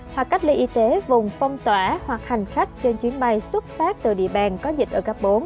hoặc cách ly y tế vùng phong tỏa hoặc hành khách trên chuyến bay xuất phát từ địa bàn có dịch ở cấp bốn